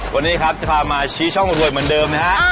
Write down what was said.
วันนี้ครับจะพามาชี้ช่องรวยเหมือนเดิมนะฮะ